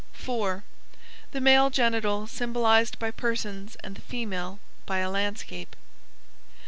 4. The male genital symbolized by persons and the female by a landscape.